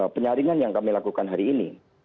penyaringan yang kami lakukan hari ini